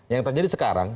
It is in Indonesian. yang terjadi sekarang